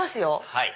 はい。